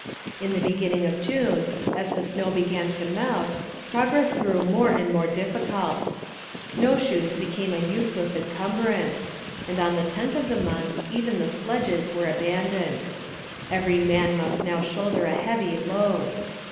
In the beginning of June, as the snow began to melt, progress grew more and more difficult. Snowshoes became a useless encumbrance, and on the 10th of the month even the sledges were abandoned. Every man must now shoulder a heavy load.